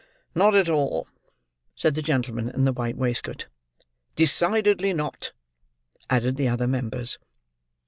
"Not at all," said the gentleman in the white waistcoat. "Decidedly not," added the other members.